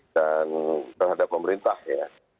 terhadap pemerintah ya